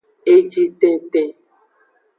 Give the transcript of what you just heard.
Eji tenten.